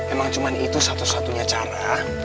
emang cuman itu satu satunya cara